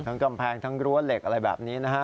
กำแพงทั้งรั้วเหล็กอะไรแบบนี้นะฮะ